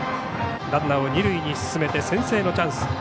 ランナーを二塁に進めて先制のチャンス。